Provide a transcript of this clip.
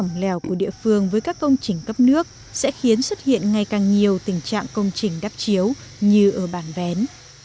nhưng sự quản lý lòng lèo của địa phương với các công trình cấp nước sẽ khiến xuất hiện ngay càng nhiều tình trạng công trình đáp chiếu như ở bản vén